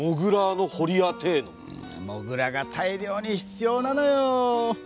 モグラが大量に必要なのよ。